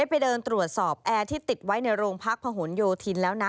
แอร์ที่ติดไว้ในโรงพักพหนโยธินแล้วนะ